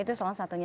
itu salah satunya